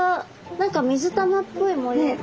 何か水玉っぽい模様と。